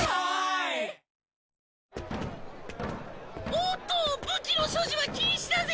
おっと武器の所持は禁止だぜ。